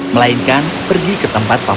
melainkan pergi ke tempat papan